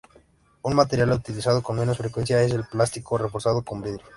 Un material utilizado con menos frecuencia es el plástico reforzado con vidrio.